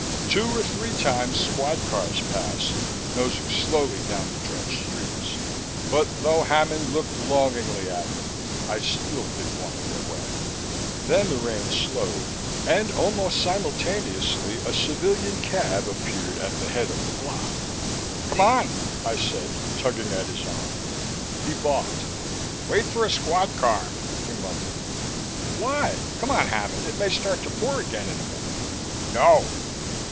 Two or three times, squad cars passed, nosing slowly down the drenched streets, but though Hammond looked longingly at them, I still didn't want to get wet. Then the rain slowed and almost simultaneously a civilian cab appeared at the head of the block. "Come on," I said, tugging at his arm. He balked. "Wait for a squad car," he mumbled. "Why? Come on, Hammond, it may start to pour again in a minute." "No!"